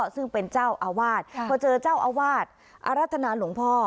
ซึ่งเป็นเจ้าอาวาสพอเจอเจ้าอาวาสอรัฐนาหลวงพ่อ